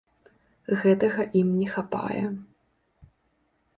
Гэтага ім не хапае.